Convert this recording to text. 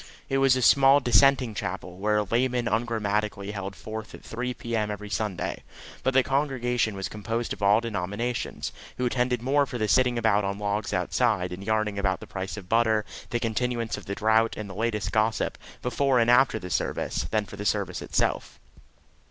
It was a small Dissenting chapel, where a layman ungrammatically held forth at 3 p.m. every Sunday; but the congregation was composed of all denominations, who attended more for the sitting about on logs outside, and yarning about the price of butter, the continuance of the drought, and the latest gossip, before and after the service, than for the service itself.